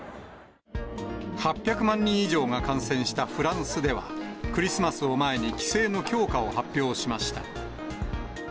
８００万人以上が感染したフランスでは、クリスマスを前に規制の強化を発表しました。